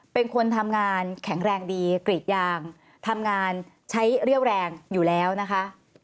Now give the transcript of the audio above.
เป็นคนทำงานแข็งแรงดีกรีดยางทำงานใช้เรี่ยวแรงอยู่แล้วนะคะ